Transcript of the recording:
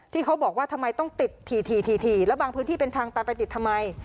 ที่เขาบอกว่าทำไมต้องติดถี่ถี่แล้วบางพื้นที่เป็นทางตันไปติดทำไม